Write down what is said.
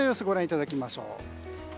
ご覧いただきましょう。